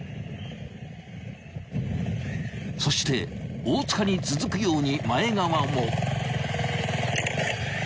［そして大塚に続くように前川も］